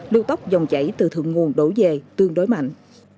lưu tốc dòng chảy từ thượng nguồn đổ về tương đối mạnh